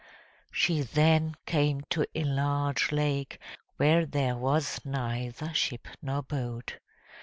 She then came to a large lake, where there was neither ship nor boat.